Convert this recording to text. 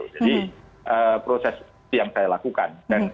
jadi proses yang saya lakukan